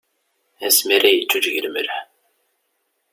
Asmi ara yeǧǧuǧǧeg lmelḥ!